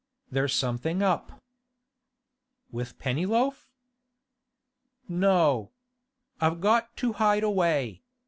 There's something up.' 'With Pennyloaf?' 'No. I've got to hide away.